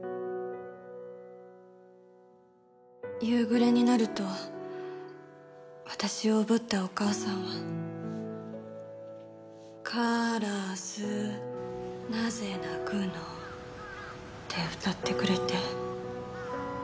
夕暮れになると私をおぶったお母さんは「からすなぜなくの」って歌ってくれて。